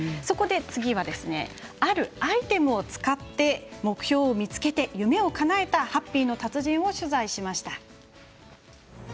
そこで次はあるアイテムを使って目標を見つけて夢をかなえたハッピーの達人を取材しました。